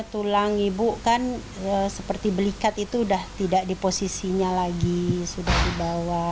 tulang ibu kan seperti belikat itu sudah tidak di posisinya lagi sudah dibawa